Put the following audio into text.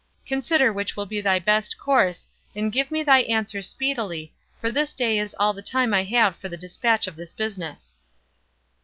Consider which will be thy best course, and give me thy answer speedily, for this day is all the time I have for the despatch of this business."